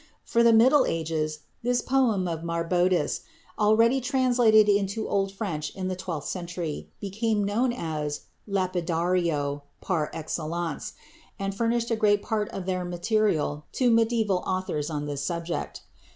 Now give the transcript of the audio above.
For the Middle Ages this poem of Marbodus, already translated into Old French in the twelfth century, became known as the "Lapidario" par excellence, and furnished a great part of their material to medieval authors on this subject.